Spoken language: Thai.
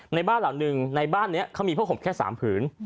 ในบ้านเหล่านึงในบ้านนี้เขามีพ่อห่มแค่สามผืน